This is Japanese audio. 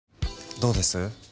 どうです？